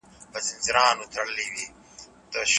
د نورستان مرکزي ښار پارون دی.